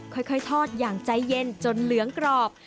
ค่อยทอดอย่างใจเย็นจนเหลืองกรอบ